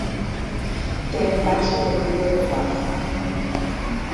Ten baixo contido de cuarzo.